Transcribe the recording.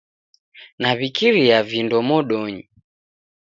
Naw'ikiria vindo modonyi